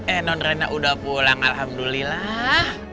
eh non rena udah pulang alhamdulillah